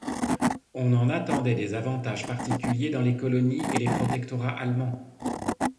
On en attendait des avantages particuliers dans les colonies et les protectorats allemands.